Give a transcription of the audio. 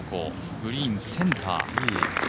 グリーンセンター。